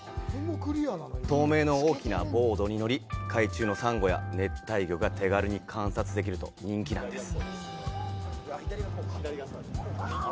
透明の大きなボードに乗り、海中のサンゴや熱帯魚が手軽に観察できると人気なんです。